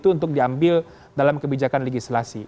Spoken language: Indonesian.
untuk diambil dalam kebijakan legislasi